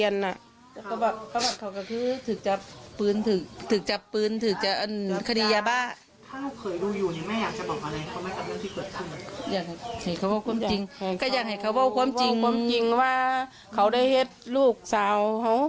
อยากเห็นเขาว่าความจริงก็อยากเห็นเขาว่าความจริงว่าเขาได้เห็นลูกสาวเขา